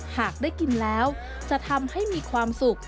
หากได้กินแล้วจะทำให้มีความสุข